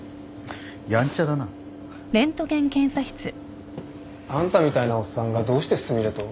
やんちゃだな。あんたみたいなおっさんがどうしてすみれと？